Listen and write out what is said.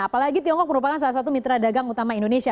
apalagi tiongkok merupakan salah satu mitra dagang utama indonesia